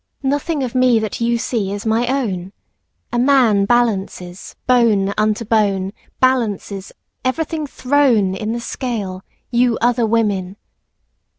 Nothing of me that you see is my own; A man balances, bone unto bone Balances, everything thrown In the scale, you other women.